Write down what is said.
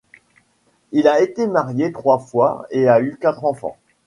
Il a été marié trois fois et a eu quatre enfants.